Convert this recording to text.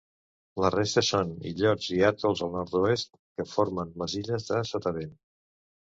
La resta són illots i atols al nord-oest que formen les illes de Sotavent.